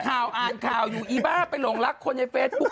อ่านข่าวอยู่อีบ้าไปหลงรักคนในเฟซบุ๊ค